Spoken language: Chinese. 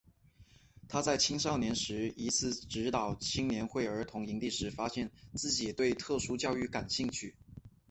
他在青少年时一次指导青年会儿童营地时发现自己对特殊教育感兴趣。